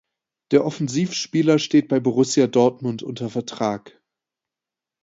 Der Offensivspieler steht bei Borussia Dortmund unter Vertrag.